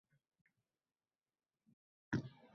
Iye essiz, hunar bo’gandan keyin qiyinchiligi bo’ladida